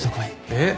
えっ。